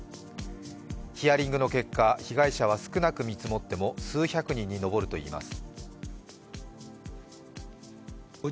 ヒアリングの結果、被害者は少なく見積もっても数百人にのぼるといいます。